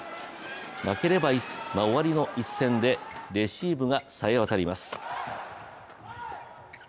負ければ終わりの一戦でレシーブがさえ渡ります。